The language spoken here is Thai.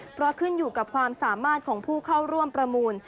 เพราะขึ้นอยู่กับความสามารถของผู้เข้าร่วมประมูล